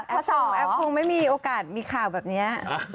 แอฟคงไม่มีโอกาสมีข่าวแบบนี้